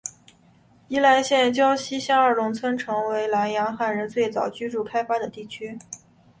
宜兰县礁溪乡二龙村成为兰阳汉人最早居住开发的地区。